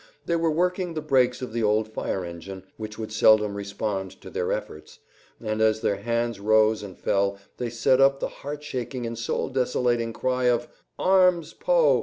They were working the brakes of the old fire engine, which would seldom respond to their efforts, and as their hands rose and fell they set up the heart shaking and soul desolating cry of "Arms Poe!